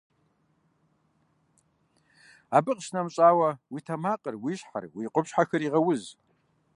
Абы къищынэмыщӏауэ, уи тэмакъыр, уи щхьэр, уи къупщхьэхэр егъэуз.